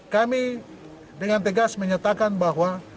kami dengan tegas menyatakan bahwa